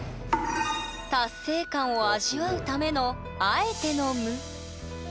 達成感を味わうためのあえての無。